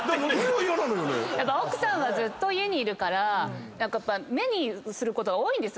やっぱ奥さんはずっと家にいるから目にすることが多いんですよね